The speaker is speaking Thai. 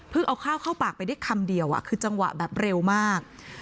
เอาข้าวเข้าปากไปได้คำเดียวคือจังหวะแบบเร็วมาก